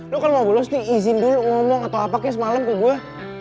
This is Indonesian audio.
lo kan mau bolos nih izin dulu ngomong atau apa kayak semalam ke gue